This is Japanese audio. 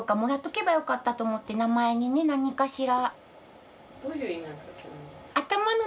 名前にね何かしら。